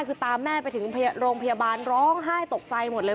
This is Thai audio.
คือตามแม่ไปถึงโรงพยาบาลร้องไห้ตกใจหมดเลย